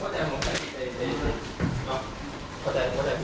ไปไปเชิญครับ